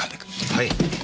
はい。